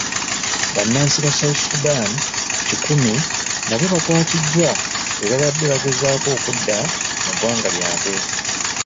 Bannansi ba South Sudan kikumi nabo baakwatiddwa bwe baabadde bagezaako okudda mu ggwanga lyabwe.